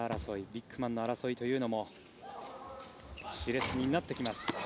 ビッグマンの争いというのも熾烈になってきます。